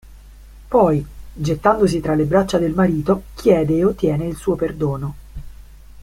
Poi, gettandosi tra le braccia del marito, chiede e ottiene il suo perdono.